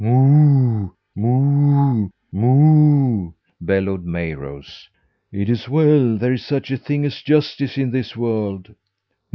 "Moo, moo, moo," bellowed Mayrose. "It is well there is such a thing as justice in this world."